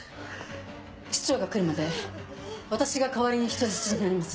市長が来るまで私が代わりに人質になります。